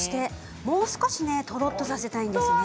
もう少しとろっとさせたいんですよね。